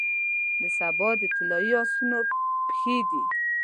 د سبا د طلایې اسانو پښې دی،